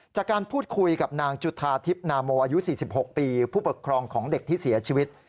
จากการพูดคุยกับนางจุธาทิพย์นาโมอายุ๔๖ปีผู้ปกครองของเด็กที่เสียชีวิต